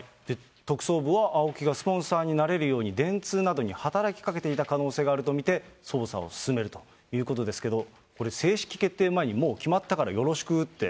特捜部は、ＡＯＫＩが、スポンサーになれるように電通などに働きかけていた可能性があると見て捜査を進めるということですけれども、これ、正式決定前にもう決まったからよろしくって。